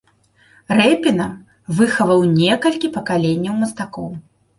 Рэпіна, выхаваў некалькі пакаленняў мастакоў.